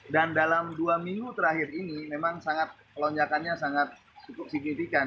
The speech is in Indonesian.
dan dalam dua minggu terakhir ini memang lonjakannya sangat signifikan